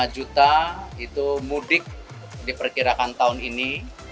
delapan puluh lima juta itu mudik diperkirakan tahun ini